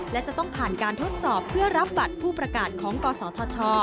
และจะต้องผ่านการทดสอบเพื่อรับบัตรผู้ประกาศของกศธช